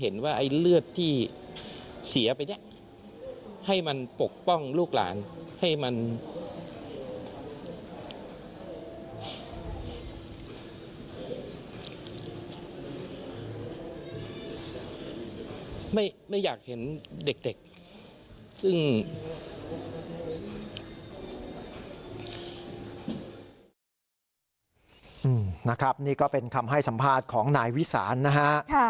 นี่ก็เป็นคำให้สัมภาษณ์ของนายวิสานนะฮะ